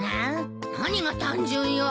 何が単純よ。